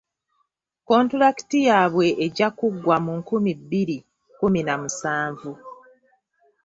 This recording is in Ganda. Kontulakiti yaabwe ejja kuggwa mu nkumi bbiri kkumi na musanvu.